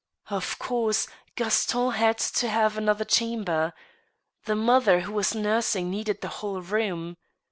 Of course, Gaston had to have another chamber. The mother who was nursing needed the whole room.